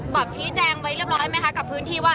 ชี้แจงไว้เรียบร้อยไหมคะกับพื้นที่ว่า